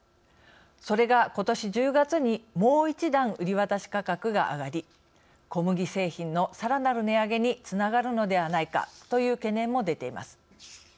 それが１０月に、もう一段売り渡し価格が上がり小麦製品のさらなる値上げにつながるのではないかという懸念も出ています。